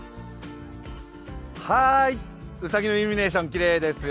はーい、うさぎのイルミネーション、きれいですよ。